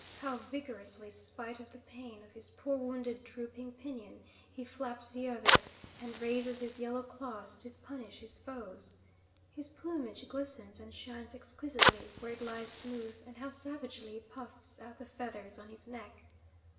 how vigorously, spite of the pain of his poor, wounded, drooping pinion, he flaps the other, and raises his yellow claws to punish his foes! His plumage glistens and shines exquisitely where it lies smooth, and how savagely he puffs out the feathers on his neck!